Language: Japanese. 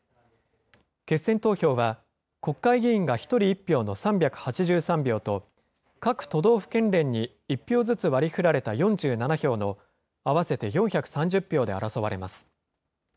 決選投票は、国会議員が１人１票の３８３票と、各都道府県連に１票ずつ割りふられた４７票の合わせて４３０票で争われます。